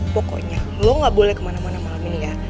pokoknya lo ga boleh kemana mana malem ini ya